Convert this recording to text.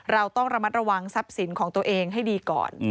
เราต้องระมัดระวังทรัพย์สินของตัวเองให้ดีก่อน